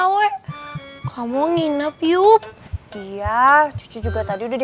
warungnya bagaimana tin